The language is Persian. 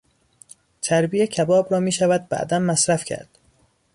چربی کباب را میشود بعدا مصرف کرد.